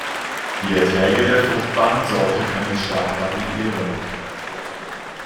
Die Erträge der fruchtbaren Sorte können stark variieren.